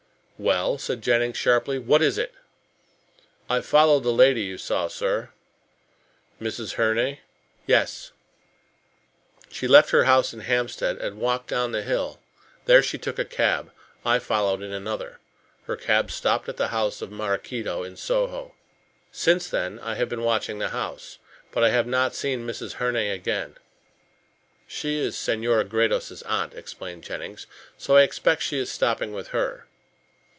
"Well," said Jennings sharply, "what is it?" "I followed the lady you saw, sir." "Mrs. Herne? Yes." "She left her house in Hampstead and walked down the hill. There she took a cab. I followed in another. Her cab stopped at the house of Maraquito in Soho. Since then I have been watching the house, but I have not seen Mrs. Herne again." "She is Senora Gredos' aunt," explained Jennings, "so I expect she is stopping with her."